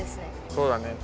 そうだね。